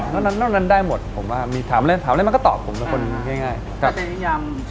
นอกนั้นได้หมดถามอะไรคือมันก็ตอบผมเป็นคนง่าย